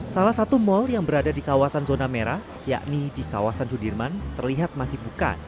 salah satu mal yang berada di kawasan zona merah yakni di kawasan sudirman terlihat masih buka